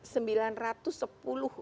sembilan ratus sepuluh